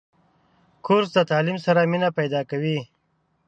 کورس د تعلیم سره مینه پیدا کوي.